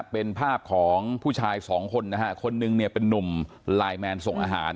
เป็นภาพของผู้ชาย๒คนคนหนึ่งเป็นนุ่มลายแมนส่งอาหาร